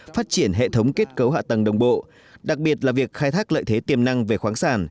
phát triển hệ thống kết cấu hạ tầng đồng bộ đặc biệt là việc khai thác lợi thế tiềm năng về khoáng sản